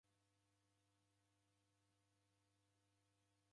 Neka mburi machi